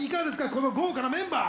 この豪華なメンバー！